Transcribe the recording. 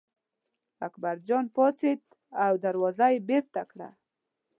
اکبرجان پاڅېد او دروازه یې بېرته کړه.